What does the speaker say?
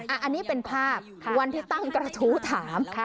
อันนี้เป็นภาพวันที่ตั้งกระทู้ถาม